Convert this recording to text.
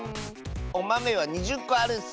おまめは２０こあるッス。